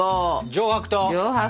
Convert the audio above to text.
上白糖。